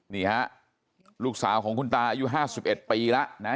นี่ฮะลูกสาวของคุณตาอายุ๕๑ปีแล้วนะ